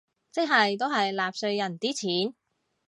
即係都係納稅人啲錢